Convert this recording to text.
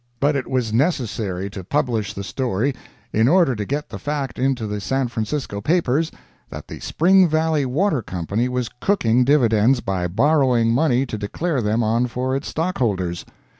But it was necessary to publish the story in order to get the fact into the San Francisco papers that the Spring Valley Water company was "cooking" dividends by borrowing money to declare them on for its stockholders.